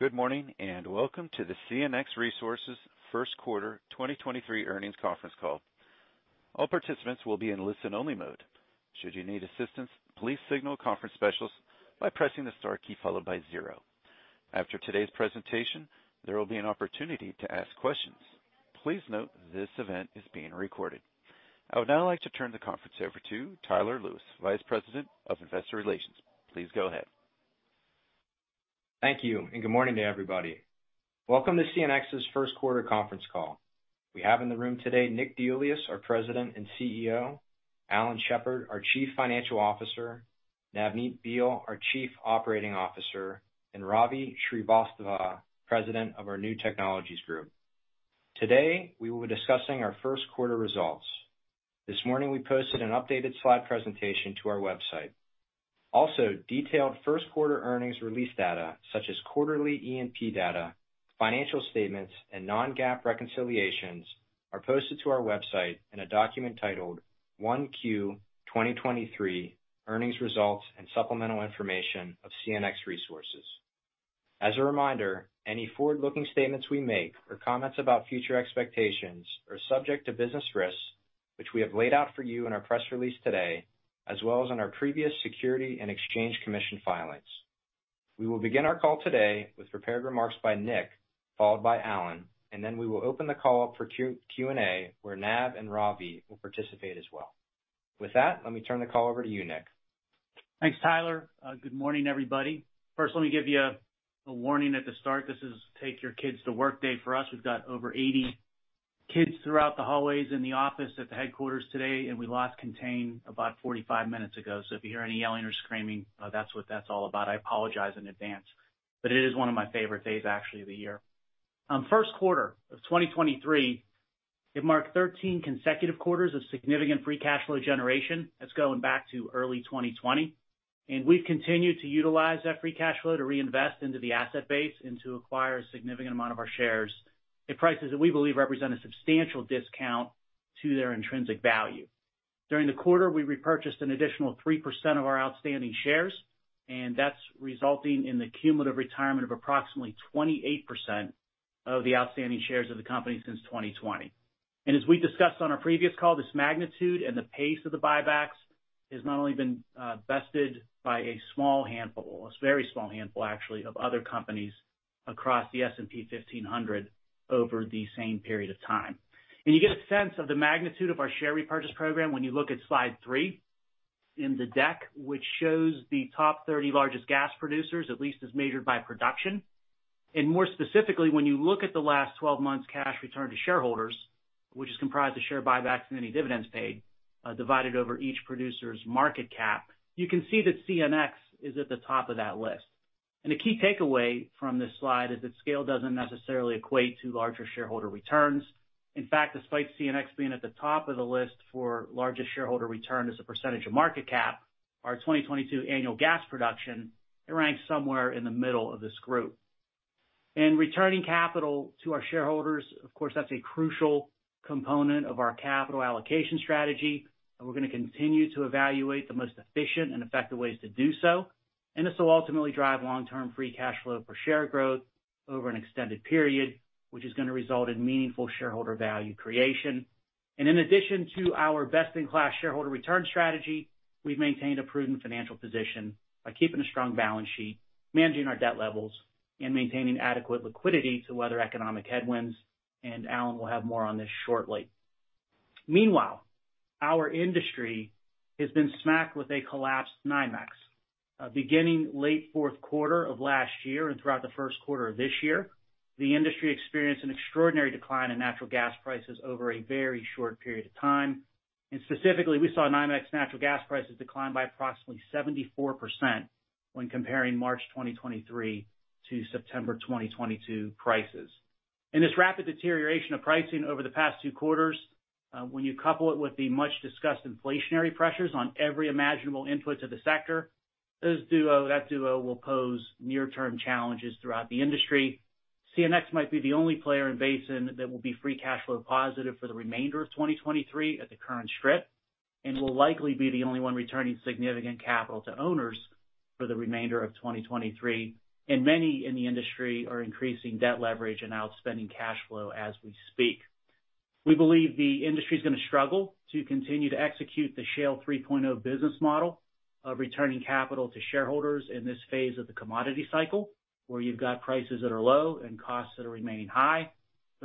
Good morning, and Welcome to the CNX Resources Q1 2023 Earnings Conference Call. All participants will be in listen only mode. Should you need assistance, please signal a conference specialist by pressing the star key followed by zero. After today's presentation, there will be an opportunity to ask questions. Please note this event is being recorded. I would now like to turn the conference over to Tyler Lewis, Vice President of Investor Relations. Please go ahead. Thank you, good morning to everybody. Welcome to CNX's Q1 conference call. We have in the room today, Nick Deiuliis, our President and CEO, Alan Shepard, our Chief Financial Officer, Navneet Behl, our Chief Operating Officer, and Ravi Srivastava, President of our New Technologies group. Today, we will be discussing our Q1 results. This morning, we posted an updated slide presentation to our website. Also detailed Q1 earnings release data such as quarterly E&P data, financial statements, and non-GAAP reconciliations are posted to our website in a document titled, "1Q 2023 earnings results and supplemental information of CNX Resources." As a reminder, any forward-looking statements we make or comments about future expectations are subject to business risks which we have laid out for you in our press release today, as well as in our previous Securities and Exchange Commission filings. We will begin our call today with prepared remarks by Nick, followed by Alan, and then we will open the call up for Q&A, where Nav and Ravi will participate as well. With that, let me turn the call over to you, Nick. Thanks, Tyler. Good morning, everybody. First, let me give you a warning at the start. This is take your kids to work day for us. We've got over 80 kids throughout the hallways in the office at the headquarters today, and we lost contain about 45 minutes ago. If you hear any yelling or screaming, that's what that's all about. I apologize in advance. It is one of my favorite days, actually, of the year. Q1 of 2023, it marked 13 consecutive quarters of significant free cash flow generation. That's going back to early 2020. We've continued to utilize that free cash flow to reinvest into the asset base and to acquire a significant amount of our shares at prices that we believe represent a substantial discount to their intrinsic value. During the quarter, we repurchased an additional 3% of our outstanding shares. That's resulting in the cumulative retirement of approximately 28% of the outstanding shares of the company since 2020. As we discussed on our previous call, this magnitude and the pace of the buybacks has not only been bested by a small handful, a very small handful, actually, of other companies across the S&P 1500 over the same period of time. You get a sense of the magnitude of our share repurchase program when you look at slide three in the deck, which shows the top 30 largest gas producers, at least as measured by production. More specifically, when you look at the last 12 months cash return to shareholders, which is comprised of share buybacks and any dividends paid, divided over each producer's market cap, you can see that CNX is at the top of that list. A key takeaway from this slide is that scale doesn't necessarily equate to larger shareholder returns. In fact, despite CNX being at the top of the list for largest shareholder return as a percentage of market cap, our 2022 annual gas production, it ranks somewhere in the middle of this group. Returning capital to our shareholders, of course, that's a crucial component of our capital allocation strategy, and we're gonna continue to evaluate the most efficient and effective ways to do so. This will ultimately drive long-term free cash flow per share growth over an extended period, which is gonna result in meaningful shareholder value creation. In addition to our best-in-class shareholder return strategy, we've maintained a prudent financial position by keeping a strong balance sheet, managing our debt levels, and maintaining adequate liquidity to weather economic headwinds. Alan will have more on this shortly. Meanwhile, our industry has been smacked with a collapsed NYMEX. Beginning late Q4 of last year and throughout the Q1 of this year, the industry experienced an extraordinary decline in natural gas prices over a very short period of time. Specifically, we saw NYMEX natural gas prices decline by approximately 74% when comparing March 2023 to September 2022 prices. This rapid deterioration of pricing over the past two quarters, when you couple it with the much-discussed inflationary pressures on every imaginable input to the sector, that duo will pose near-term challenges throughout the industry. CNX might be the only player in basin that will be free cash flow positive for the remainder of 2023 at the current strip, and will likely be the only one returning significant capital to owners for the remainder of 2023. Many in the industry are increasing debt leverage and outspending cash flow as we speak. We believe the industry's gonna struggle to continue to execute the Shale 3.0 business model of returning capital to shareholders in this phase of the commodity cycle, where you've got prices that are low and costs that are remaining high.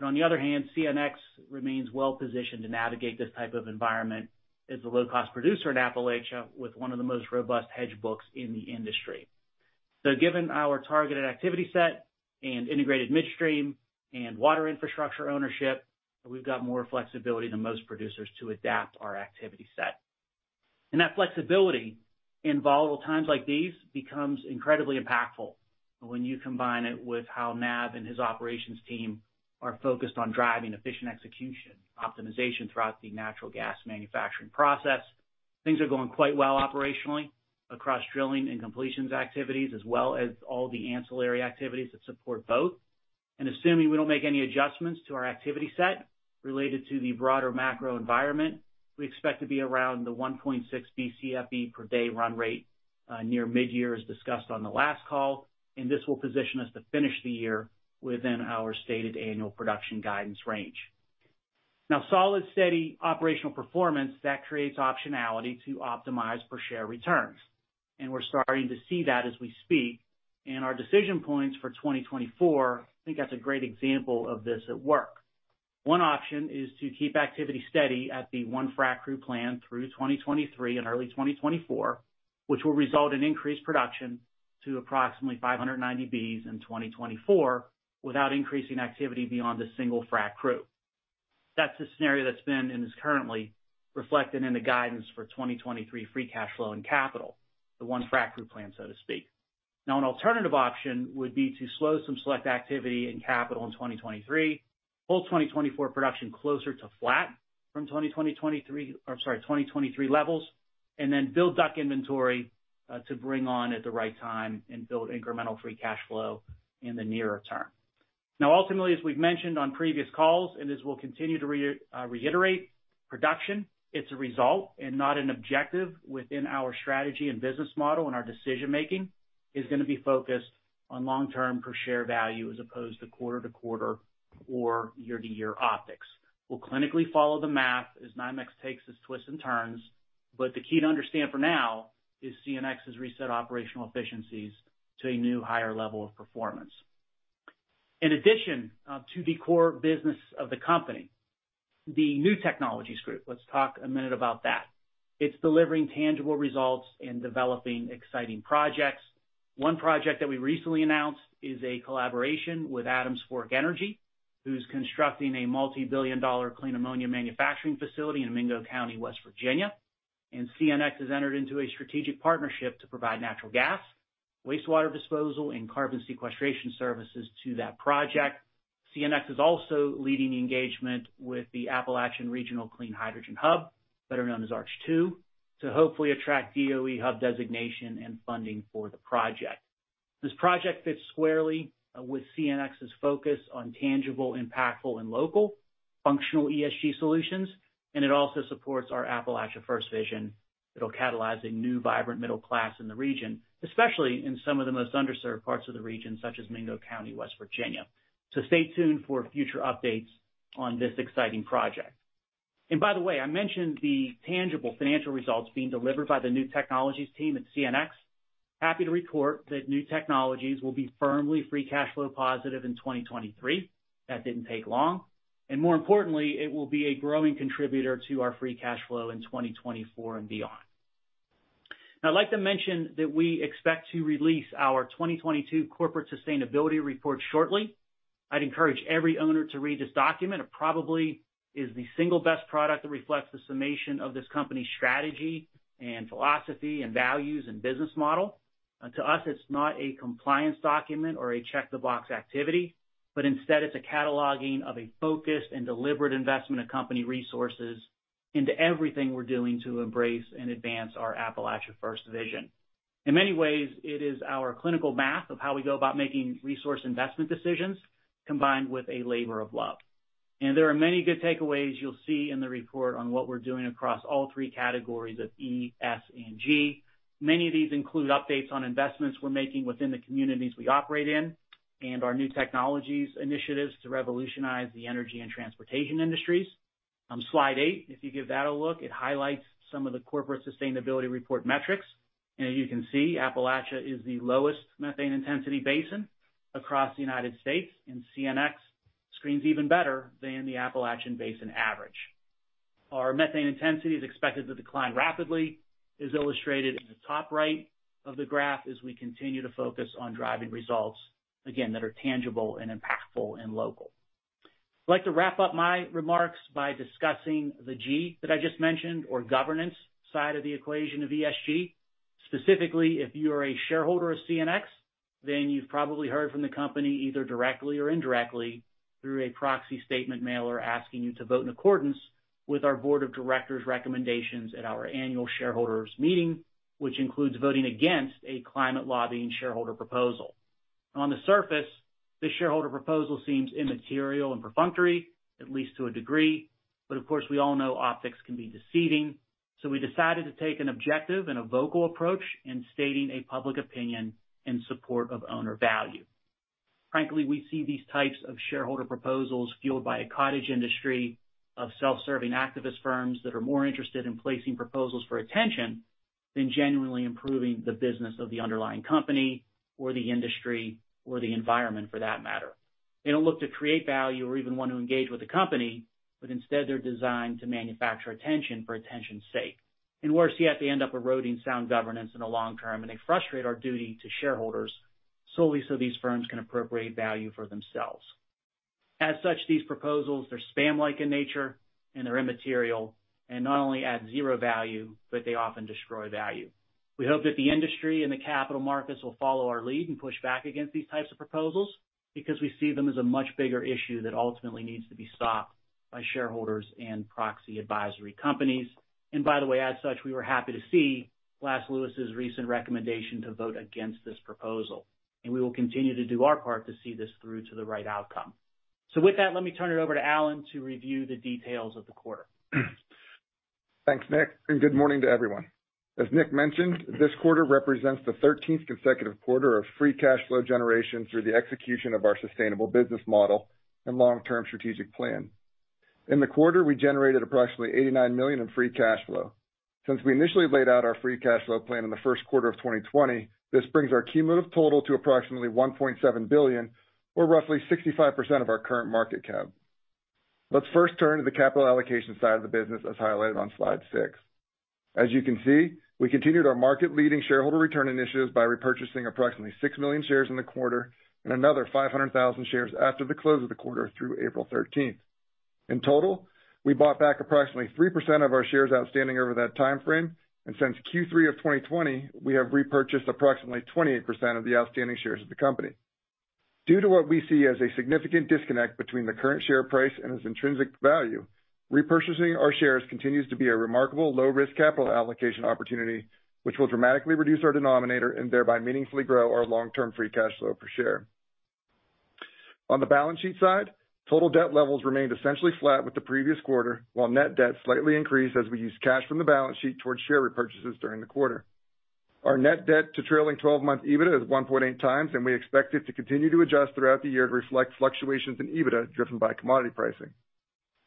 On the other hand, CNX remains well-positioned to navigate this type of environment as a low cost producer in Appalachia with one of the most robust hedge books in the industry. Given our targeted activity set and integrated midstream and water infrastructure ownership, we've got more flexibility than most producers to adapt our activity set. That flexibility in volatile times like these becomes incredibly impactful when you combine it with how Nav and his operations team are focused on driving efficient execution optimization throughout the natural gas manufacturing process. Things are going quite well operationally across drilling and completions activities, as well as all the ancillary activities that support both. Assuming we don't make any adjustments to our activity set related to the broader macro environment, we expect to be around the 1.6 Bcfe per day run rate, near mid-year as discussed on the last call, and this will position us to finish the year within our stated annual production guidance range. Now, solid, steady operational performance, that creates optionality to optimize per share returns. We're starting to see that as we speak. Our decision points for 2024, I think that's a great example of this at work. One option is to keep activity steady at the one frac crew plan through 2023 and early 2024, which will result in increased production to approximately 590 Bcfe in 2024 without increasing activity beyond the single frac crew. That's a scenario that's been and is currently reflected in the guidance for 2023 free cash flow and capital, the one frac crew plan, so to speak. An alternative option would be to slow some select activity in capital in 2023, pull 2024 production closer to flat from 2023 levels, and then build DUC inventory to bring on at the right time and build incremental free cash flow in the nearer term. Ultimately, as we've mentioned on previous calls, and as we'll continue to reiterate production, it's a result and not an objective within our strategy and business model, and our decision-making is gonna be focused on long-term per share value as opposed to quarter to quarter or year to year optics. We'll clinically follow the math as 9M takes its twists and turns, the key to understand for now is CNX has reset operational efficiencies to a new higher level of performance. In addition, to the core business of the company, the New Technologies group. Let's talk a minute about that. It's delivering tangible results and developing exciting projects. One project that we recently announced is a collaboration with Adams Fork Energy, who's constructing a multi-billion dollar clean ammonia manufacturing facility in Mingo County, West Virginia. CNX has entered into a strategic partnership to provide natural gas, wastewater disposal, and carbon sequestration services to that project. CNX is also leading the engagement with the Appalachian Regional Clean Hydrogen Hub, better known as ARCH2, to hopefully attract DOE hub designation and funding for the project. This project fits squarely with CNX's focus on tangible, impactful, and local functional ESG solutions. It also supports our Appalachia First vision. It'll catalyze a new, vibrant middle class in the region, especially in some of the most underserved parts of the region such as Mingo County, West Virginia. Stay tuned for future updates on this exciting project. By the way, I mentioned the tangible financial results being delivered by the New Technologies team at CNX. Happy to report that New Technologies will be firmly free cash flow positive in 2023. That didn't take long. More importantly, it will be a growing contributor to our free cash flow in 2024 and beyond. I'd like to mention that we expect to release our 2022 corporate sustainability report shortly. I'd encourage every owner to read this document. It probably is the single best product that reflects the summation of this company's strategy and philosophy and values and business model. To us, it's not a compliance document or a check the box activity, but instead it's a cataloging of a focused and deliberate investment of company resources into everything we're doing to embrace and advance our Appalachia First vision. In many ways, it is our clinical math of how we go about making resource investment decisions combined with a labor of love. There are many good takeaways you'll see in the report on what we're doing across all three categories of E, S, and G. Many of these include updates on investments we're making within the communities we operate in and our New Technologies initiatives to revolutionize the energy and transportation industries. On slide eight, if you give that a look, it highlights some of the corporate sustainability report metrics. As you can see, Appalachia is the lowest methane intensity basin across the United States, and CNX screens even better than the Appalachian basin average. Our methane intensity is expected to decline rapidly, as illustrated in the top right of the graph, as we continue to focus on driving results, again, that are tangible and impactful and local. I'd like to wrap up my remarks by discussing the G that I just mentioned or governance side of the equation of ESG. Specifically, if you are a shareholder of CNX, then you've probably heard from the company either directly or indirectly through a proxy statement mailer asking you to vote in accordance with our board of directors recommendations at our annual shareholders meeting, which includes voting against a climate lobbying shareholder proposal. On the surface, this shareholder proposal seems immaterial and perfunctory, at least to a degree, but of course, we all know optics can be deceiving. We decided to take an objective and a vocal approach in stating a public opinion in support of owner value. Frankly, we see these types of shareholder proposals fueled by a cottage industry of self-serving activist firms that are more interested in placing proposals for attention than genuinely improving the business of the underlying company or the industry or the environment for that matter. They don't look to create value or even want to engage with the company, but instead they're designed to manufacture attention for attention's sake. Worse yet, they end up eroding sound governance in the long term, and they frustrate our duty to shareholders solely so these firms can appropriate value for themselves. As such, these proposals, they're spam-like in nature and they're immaterial and not only add zero value, but they often destroy value. We hope that the industry and the capital markets will follow our lead and push back against these types of proposals because we see them as a much bigger issue that ultimately needs to be stopped. By shareholders and proxy advisory companies. By the way, as such, we were happy to see Glass Lewis's recent recommendation to vote against this proposal, and we will continue to do our part to see this through to the right outcome. With that, let me turn it over to Alan to review the details of the quarter. Thanks, Nick. Good morning to everyone. As Nick mentioned, this quarter represents the thirteenth consecutive quarter of free cash flow generation through the execution of our sustainable business model and long-term strategic plan. In the quarter, we generated approximately $89 million in free cash flow. Since we initially laid out our free cash flow plan in the Q1 of 2020, this brings our cumulative total to approximately $1.7 billion, or roughly 65% of our current market cap. Let's first turn to the capital allocation side of the business, as highlighted on slide six. As you can see, we continued our market-leading shareholder return initiatives by repurchasing approximately 6 million shares in the quarter and another 500,000 shares after the close of the quarter through April 13th. In total, we bought back approximately 3% of our shares outstanding over that timeframe, and since Q3 of 2020, we have repurchased approximately 28% of the outstanding shares of the company. Due to what we see as a significant disconnect between the current share price and its intrinsic value, repurchasing our shares continues to be a remarkable low-risk capital allocation opportunity, which will dramatically reduce our denominator and thereby meaningfully grow our long-term free cash flow per share. On the balance sheet side, total debt levels remained essentially flat with the previous quarter, while net debt slightly increased as we used cash from the balance sheet towards share repurchases during the quarter. Our net debt to trailing twelve-month EBITDA is 1.8 times, and we expect it to continue to adjust throughout the year to reflect fluctuations in EBITDA driven by commodity pricing.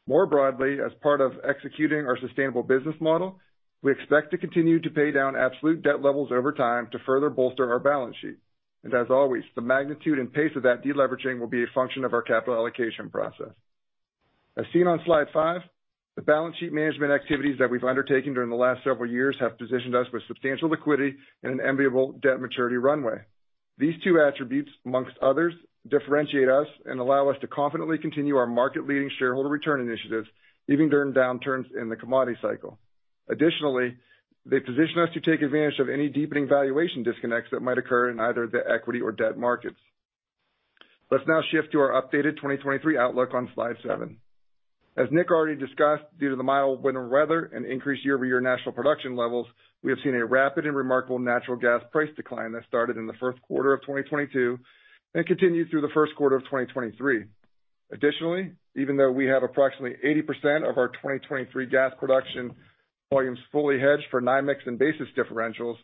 More broadly, as part of executing our sustainable business model, we expect to continue to pay down absolute debt levels over time to further bolster our balance sheet. As always, the magnitude and pace of that deleveraging will be a function of our capital allocation process. As seen on slide five, the balance sheet management activities that we've undertaken during the last several years have positioned us with substantial liquidity and an enviable debt maturity runway. These two attributes, amongst others, differentiate us and allow us to confidently continue our market-leading shareholder return initiatives even during downturns in the commodity cycle. Additionally, they position us to take advantage of any deepening valuation disconnects that might occur in either the equity or debt markets. Let's now shift to our updated 2023 outlook on slide seven. As Nick already discussed, due to the mild winter weather and increased year-over-year national production levels, we have seen a rapid and remarkable natural gas price decline that started in the Q1 of 2022 and continued through the Q1 of 2023. Additionally, even though we have approximately 80% of our 2023 gas production volumes fully hedged for NYMEX and basis differentials,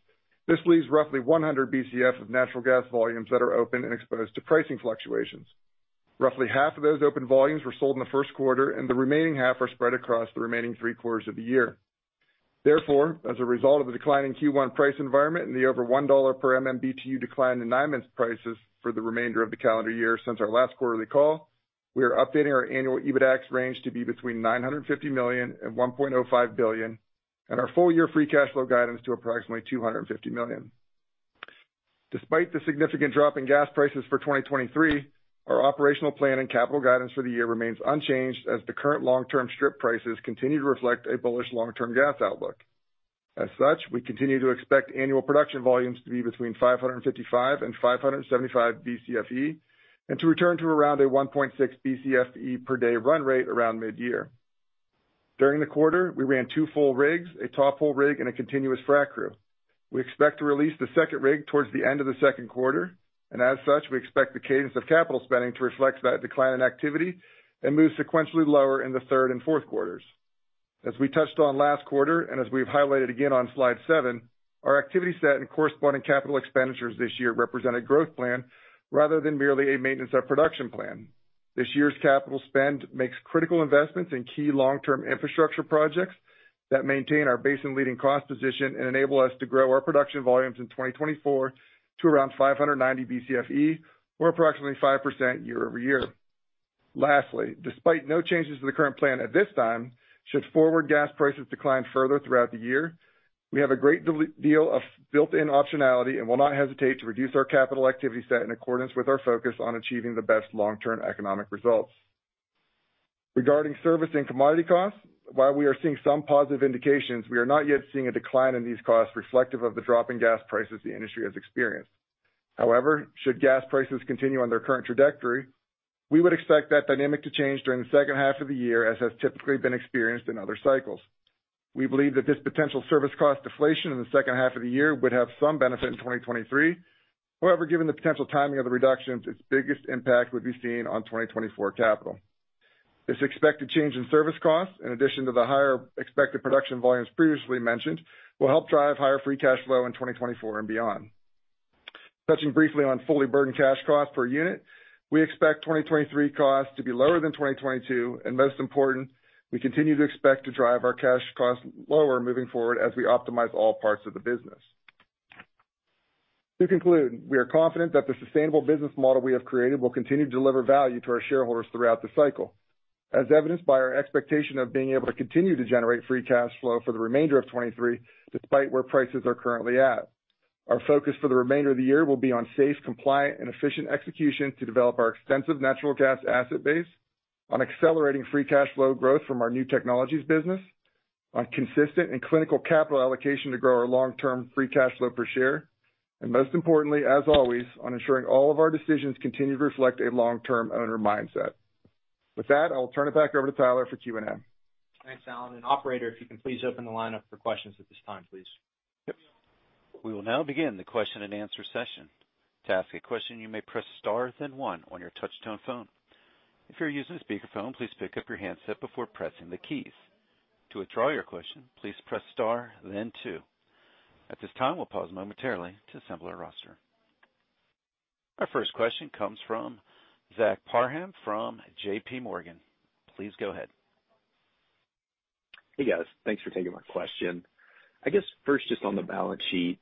this leaves roughly 100 Bcf of natural gas volumes that are open and exposed to pricing fluctuations. Roughly half of those open volumes were sold in the Q1, and the remaining half are spread across the remaining three quarters of the year. Therefore, as a result of the decline in Q1 price environment and the over $1 per MMBtu decline in NYMEX prices for the remainder of the calendar year since our last quarterly call, we are updating our annual EBITDAX range to be between $950 million and $1.05 billion, and our full-year free cash flow guidance to approximately $250 million. Despite the significant drop in gas prices for 2023, our operational plan and capital guidance for the year remains unchanged as the current long-term strip prices continue to reflect a bullish long-term gas outlook. As such, we continue to expect annual production volumes to be between 555 and 575 Bcfe, and to return to around a 1.6 Bcfe per day run rate around mid-year. During the quarter, we ran two full rigs, a top hole rig, and a continuous frac crew. We expect to release the second rig towards the end of the Q2, and as such, we expect the cadence of capital spending to reflect that decline in activity and move sequentially lower in the third and Q4s. As we touched on last quarter and as we've highlighted again on slide seven, our activity set and corresponding capital expenditures this year represent a growth plan rather than merely a maintenance of production plan. This year's capital spend makes critical investments in key long-term infrastructure projects that maintain our basin-leading cost position and enable us to grow our production volumes in 2024 to around 590 BCFE, or approximately 5% year-over-year. Lastly, despite no changes to the current plan at this time, should forward gas prices decline further throughout the year, we have a great deal of built-in optionality and will not hesitate to reduce our capital activity set in accordance with our focus on achieving the best long-term economic results. Regarding service and commodity costs, while we are seeing some positive indications, we are not yet seeing a decline in these costs reflective of the drop in gas prices the industry has experienced. However, should gas prices continue on their current trajectory, we would expect that dynamic to change during the second half of the year, as has typically been experienced in other cycles. We believe that this potential service cost deflation in the second half of the year would have some benefit in 2023. Given the potential timing of the reductions, its biggest impact would be seen on 2024 capital. This expected change in service costs, in addition to the higher expected production volumes previously mentioned, will help drive higher free cash flow in 2024 and beyond. Touching briefly on fully burdened cash costs per unit, we expect 2023 costs to be lower than 2022. Most important, we continue to expect to drive our cash costs lower moving forward as we optimize all parts of the business. To conclude, we are confident that the sustainable business model we have created will continue to deliver value to our shareholders throughout the cycle, as evidenced by our expectation of being able to continue to generate free cash flow for the remainder of 2023, despite where prices are currently at. Our focus for the remainder of the year will be on safe, compliant, and efficient execution to develop our extensive natural gas asset base on accelerating free cash flow growth from our New Technologies business. On consistent and clinical capital allocation to grow our long-term free cash flow per share. Most importantly, as always, on ensuring all of our decisions continue to reflect a long-term owner mindset. With that, I will turn it back over to Tyler for Q&A. Thanks, Alan. Operator, if you can please open the line up for questions at this time, please. Yep. We will now begin the question-and-answer session. To ask a question, you may press star then one on your touchtone phone. If you're using a speakerphone, please pick up your handset before pressing the keys. To withdraw your question, please press star then two. At this time, we'll pause momentarily to assemble our roster. Our first question comes from Zach Parham from JPMorgan. Please go ahead. Hey, guys. Thanks for taking my question. I guess first, just on the balance sheet,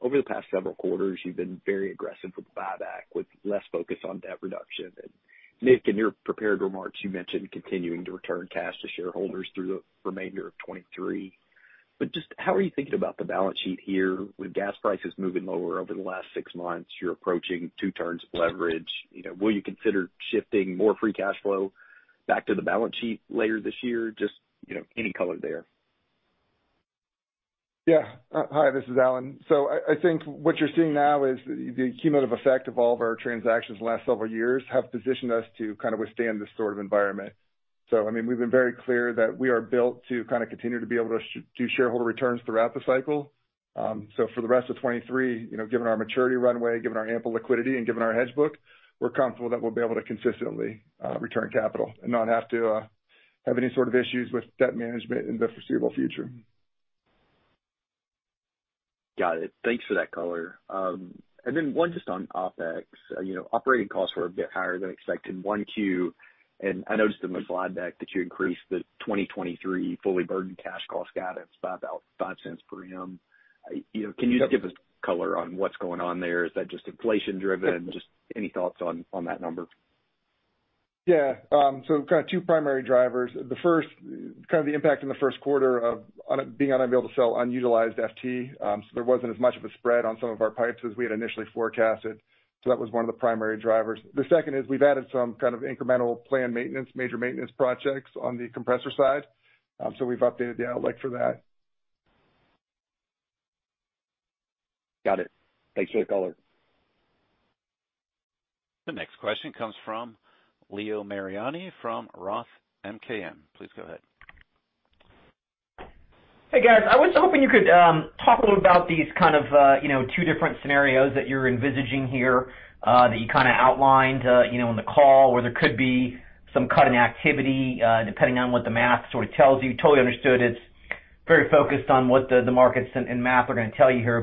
over the past several quarters, you've been very aggressive with the buyback, with less focus on debt reduction. Nick, in your prepared remarks, you mentioned continuing to return cash to shareholders through the remainder of 2023. Just how are you thinking about the balance sheet here? With gas prices moving lower over the last six months, you're approaching two turns of leverage. You know, will you consider shifting more free cash flow back to the balance sheet later this year? Just, you know, any color there. Hi, this is Alan. I think what you're seeing now is the cumulative effect of all of our transactions in the last several years have positioned us to kind of withstand this sort of environment. I mean, we've been very clear that we are built to kind of continue to be able to do shareholder returns throughout the cycle. For the rest of 2023, you know, given our maturity runway, given our ample liquidity and given our hedge book, we're comfortable that we'll be able to consistently return capital and not have to have any sort of issues with debt management in the foreseeable future. Got it. Thanks for that color. One just on OpEx. You know, operating costs were a bit higher than expected in 1Q, and I noticed in the slide deck that you increased the 2023 fully burdened cash cost guidance by about $0.05 per M. You know, can you just give us color on what's going on there? Is that just inflation driven? Just any thoughts on that number? Yeah. Kind of two primary drivers. The 1st, kind of the impact in the Q1 of on it being unable to sell unutilized FT, there wasn't as much of a spread on some of our pipes as we had initially forecasted. That was one of the primary drivers. The 2nd is we've added some kind of incremental planned maintenance, major maintenance projects on the compressor side. We've updated the outlook for that. Got it. Thanks for the color. The next question comes from Leo Mariani from ROTH MKM. Please go ahead. Hey, guys. I was hoping you could talk a little about these kind of, you know, two different scenarios that you're envisaging here, that you kinda outlined, you know, on the call, where there could be some cut in activity, depending on what the math sort of tells you. Totally understood it's very focused on what the markets and math are gonna tell you here.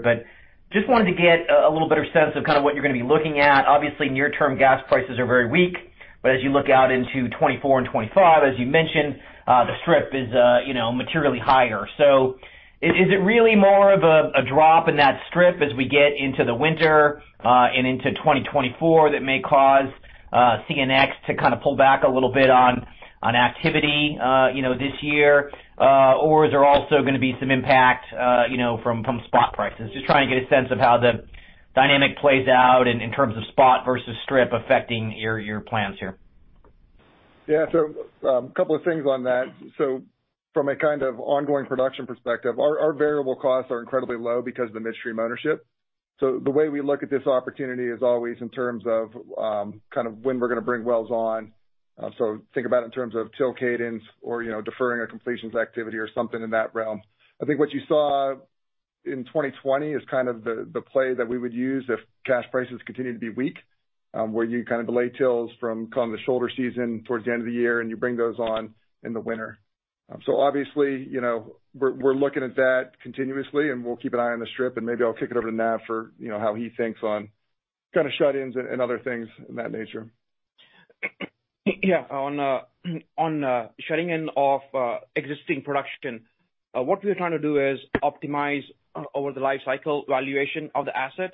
Just wanted to get a little better sense of kind of what you're gonna be looking at. Obviously, near-term gas prices are very weak, but as you look out into 2024 and 2025, as you mentioned, the strip is, you know, materially higher. Is it really more of a drop in that strip as we get into the winter and into 2024 that may cause CNX to kind of pull back a little bit on activity, you know, this year? Or is there also gonna be some impact, you know, from spot prices? Just trying to get a sense of how the dynamic plays out in terms of spot versus strip affecting your plans here. A couple of things on that. From a kind of ongoing production perspective, our variable costs are incredibly low because of the midstream ownership. The way we look at this opportunity is always in terms of, kind of when we're gonna bring wells on. Think about it in terms of till cadence or, you know, deferring a completions activity or something in that realm. I think what you saw in 2020 is kind of the play that we would use if cash prices continue to be weak, where you kind of delay tills from kind of the shoulder season towards the end of the year, you bring those on in the winter. Obviously, you know, we're looking at that continuously, and we'll keep an eye on the strip, and maybe I'll kick it over to Nav for, you know, how he thinks on kind of shut-ins and other things in that nature. Yeah. On, on shutting in of existing production, what we're trying to do is optimize over the lifecycle valuation of the asset.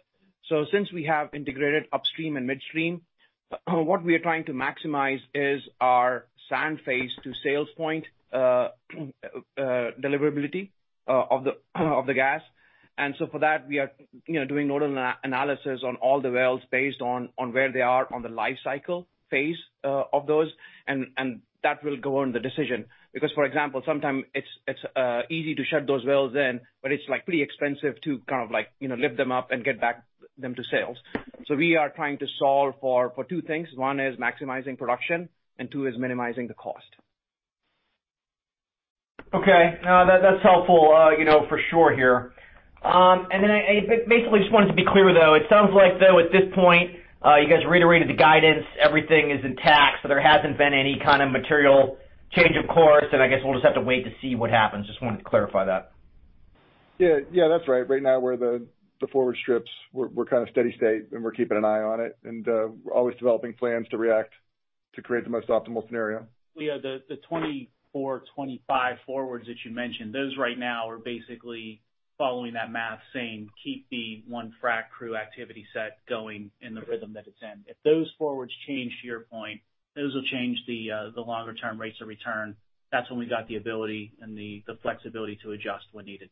Since we have integrated upstream and midstream, what we are trying to maximize is our sand face to sales point, deliverability of the gas. For that, we are, you know, doing an analysis on all the wells based on where they are on the lifecycle phase of those, and that will go on the decision. For example, sometimes it's easy to shut those wells in, but it's, like, pretty expensive to kind of like, you know, lift them up and get back them to sales. We are trying to solve for two things. One is maximizing production, and two is minimizing the cost. Okay. No, that's helpful, you know, for sure here. Then I basically just wanted to be clear though. It sounds like though at this point, you guys reiterated the guidance, everything is intact. There hasn't been any kind of material change, of course, and I guess we'll just have to wait to see what happens. Just wanted to clarify that. Yeah. Yeah. That's right. Right now, we're the forward strips. We're kind of steady state, and we're keeping an eye on it. We're always developing plans to react to create the most optimal scenario. Leo, the 2024/2025 forwards that you mentioned, those right now are basically following that math saying, keep the 1 frac crew activity set going in the rhythm that it's in. If those forwards change to your point, those will change the longer term rates of return. That's when we got the ability and the flexibility to adjust when needed.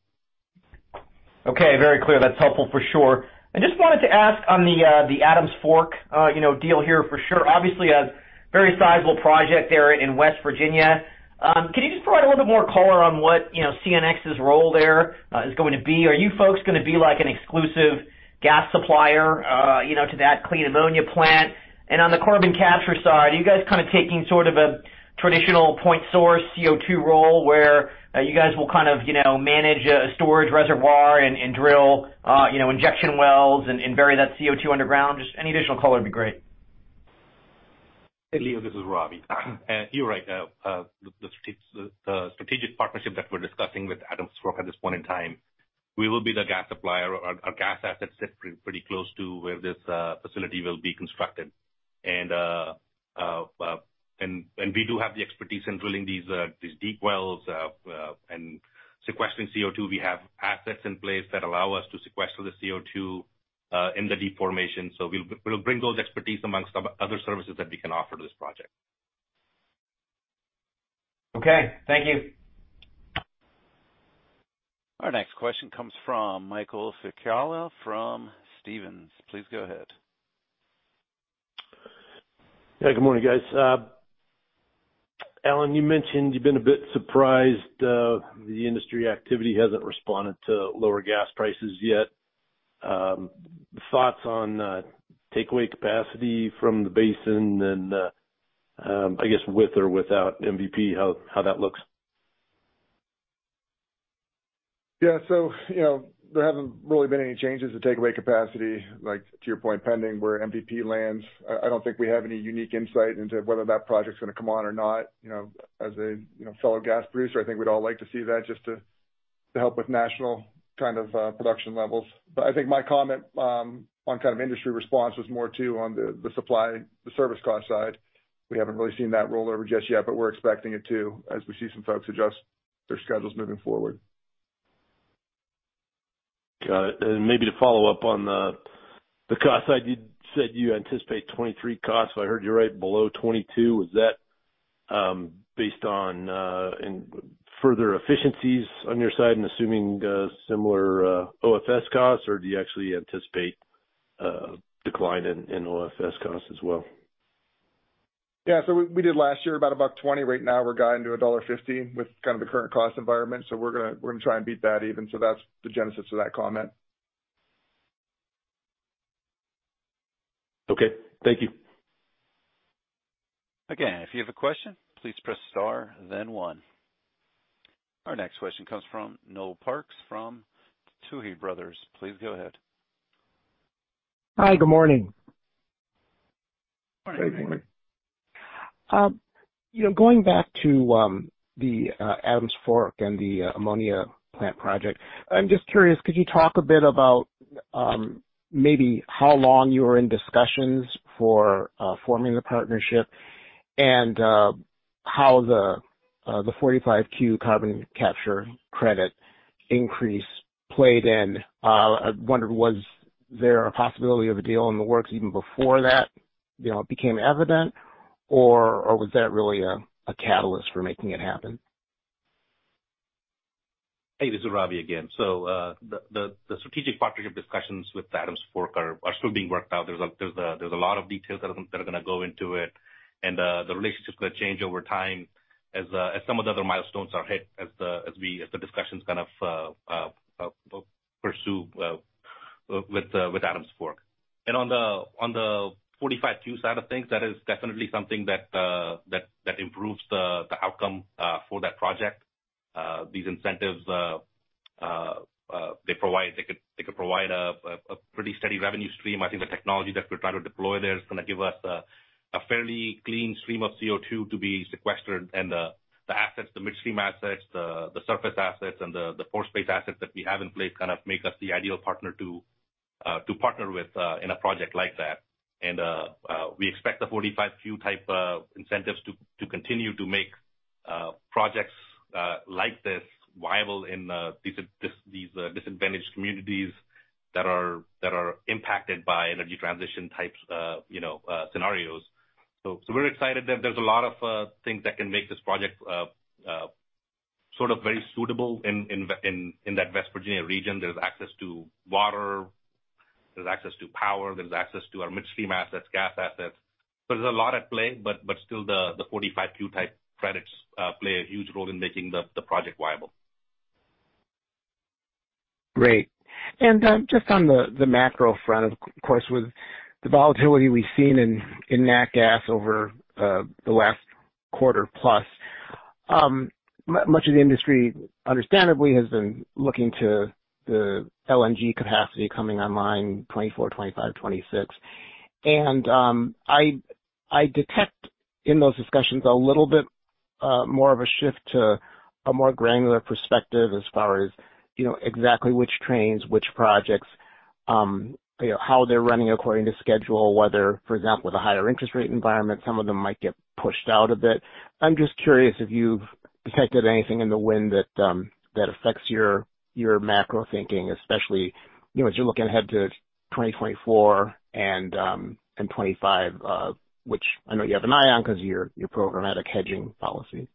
Okay, very clear. That's helpful for sure. I just wanted to ask on the Adams Fork, you know, deal here for sure. Obviously a very sizable project there in West Virginia. Can you just provide a little bit more color on what, you know, CNX's role there is going to be? Are you folks gonna be like an exclusive gas supplier, you know, to that clean ammonia plant? On the carbon capture side, are you guys kind of taking sort of a traditional point source CO2 role where you guys will kind of, you know, manage a storage reservoir and drill, you know, injection wells and bury that CO2 underground? Just any additional color would be great. Leo, this is Ravi. You're right. The strategic partnership that we're discussing with Adams Fork at this point in time, we will be the gas supplier. Our gas assets sit pretty close to where this facility will be constructed. We do have the expertise in drilling these deep wells and sequestering CO2. We have assets in place that allow us to sequester the CO2 in the deep formation. We'll bring those expertise amongst other services that we can offer to this project. Okay. Thank you. Our next question comes from Michael Scialla from Stephens. Please go ahead. Good morning, guys. Alan, you mentioned you've been a bit surprised the industry activity hasn't responded to lower gas prices yet. Thoughts on takeaway capacity from the basin and I guess with or without MVP, how that looks? Yeah. You know, there haven't really been any changes to takeaway capacity, like, to your point, pending where MVP lands. I don't think we have any unique insight into whether that project's gonna come on or not. You know, as a, you know, fellow gas producer, I think we'd all like to help with national kind of production levels. I think my comment on kind of industry response was more too on the supply, the service cost side. We haven't really seen that roll over just yet, but we're expecting it to, as we see some folks adjust their schedules moving forward. Got it. Maybe to follow up on the cost side. You said you anticipate 23 costs. I heard you're right below 22. Was that based on further efficiencies on your side and assuming similar OFS costs or do you actually anticipate decline in OFS costs as well? Yeah. We did last year about $1.20. Right now we're guiding to $1.50 with kind of the current cost environment. We're gonna try and beat that even. That's the genesis of that comment. Okay. Thank you. Again, if you have a question, please press star then one. Our next question comes from Noel Parks from Tuohy Brothers. Please go ahead. Hi. Good morning. Good morning. Good morning. you know, going back to the Adams Fork and the ammonia plant project, I'm just curious, could you talk a bit about maybe how long you were in discussions for forming the partnership and how the 45Q carbon capture credit increase played in? I wondered, was there a possibility of a deal in the works even before that, you know, became evident or was that really a catalyst for making it happen? This is Ravi again. The strategic partnership discussions with Adams Fork are still being worked out. There's a lot of details that are gonna go into it. The relationship's gonna change over time as some of the other milestones are hit, as the discussions kind of pursue with Adams Fork. On the 45Q side of things, that is definitely something that improves the outcome for that project. These incentives, they provide, they could provide a pretty steady revenue stream. I think the technology that we're trying to deploy there is gonna give us a fairly clean stream of CO2 to be sequestered. The assets, the midstream assets, the surface assets, and the pore space assets that we have in place kind of make us the ideal partner to partner with in a project like that. We expect the 45Q type of incentives to continue to make projects like this viable in these disadvantaged communities that are impacted by energy transition types, you know, scenarios. We're excited that there's a lot of things that can make this project sort of very suitable in that West Virginia region. There's access to water, there's access to power, there's access to our midstream assets, gas assets. There's a lot at play, but still the 45Q type credits play a huge role in making the project viable. Great. Just on the macro front, of course, with the volatility we've seen in Nat gas over, the last quarter plus, much of the industry understandably has been looking to the LNG capacity coming online 2024, 2025, 2026. I detect in those discussions a little bit, more of a shift to a more granular perspective as far as, you know, exactly which trains, which projects, you know, how they're running according to schedule, whether, for example, with a higher interest rate environment, some of them might get pushed out a bit. I'm just curious if you've detected anything in the wind that affects your macro thinking, especially, you know, as you're looking ahead to 2024 and 2025, which I know you have an eye on because of your programmatic hedging policy.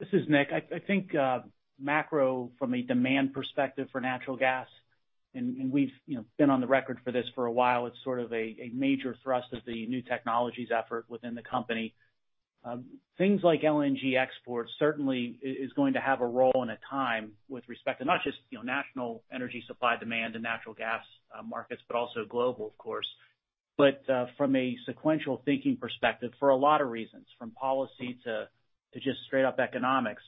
This is Nick. I think macro from a demand perspective for natural gas, and we've, you know, been on the record for this for a while, it's sort of a major thrust of the New Technologies effort within the company. Things like LNG exports certainly is going to have a role and a time with respect to not just, you know, national energy supply demand and natural gas markets, but also global of course. From a sequential thinking perspective, for a lot of reasons, from policy to just straight up economics,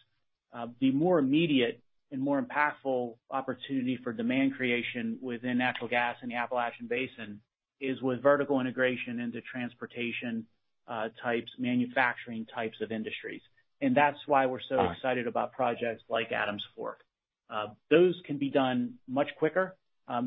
the more immediate and more impactful opportunity for demand creation within natural gas in the Appalachian Basin is with vertical integration into transportation types, manufacturing types of industries. That's why we're so excited about projects like Adams Fork. Those can be done much quicker.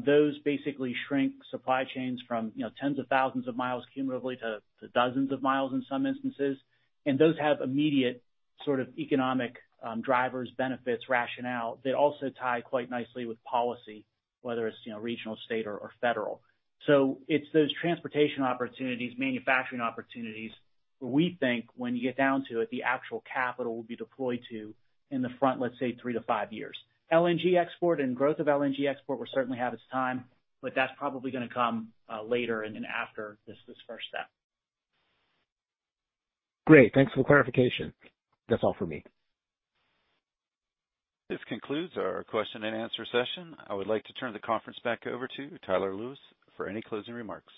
Those basically shrink supply chains from, you know, tens of thousands of miles cumulatively to dozens of miles in some instances. Those have immediate sort of economic drivers, benefits, rationale. They also tie quite nicely with policy, whether it's, you know, regional, state or federal. It's those transportation opportunities, manufacturing opportunities where we think when you get down to it, the actual capital will be deployed to in the front, let's say three to five years. LNG export and growth of LNG export will certainly have its time, but that's probably gonna come later and then after this first step. Great. Thanks for the clarification. That's all for me. This concludes our question and answer session. I would like to turn the conference back over to Tyler Lewis for any closing remarks.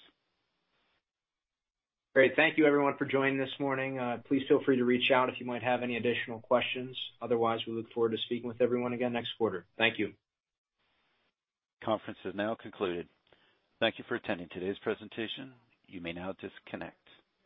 Great. Thank you everyone for joining this morning. Please feel free to reach out if you might have any additional questions. We look forward to speaking with everyone again next quarter. Thank you. Conference is now concluded. Thank you for attending today's presentation. You may now disconnect.